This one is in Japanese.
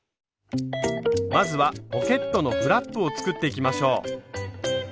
まずはポケットのフラップを作っていきましょう。